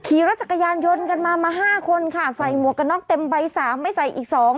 ขี่รถจักรยานยนต์กันมามาห้าคนค่ะใส่หมวกกันน็อกเต็มใบสามไม่ใส่อีกสอง